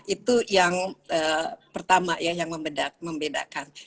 itu yang pertama ya yang membedakan